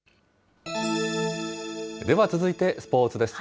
では続いてスポーツです。